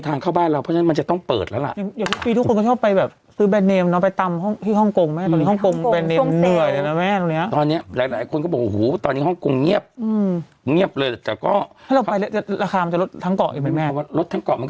เข้าบ้านเราเพราะฉะนั้นมันจะต้องเปิดแล้วล่ะ